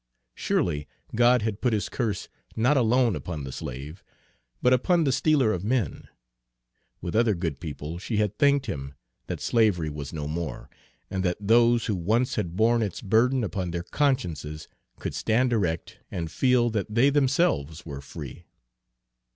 Surely, God had put his curse not alone upon the slave, but upon the stealer of men! With other good people she had thanked Him that slavery was no more, and that those who once had borne its burden upon their consciences could stand erect and feel that they themselves were free.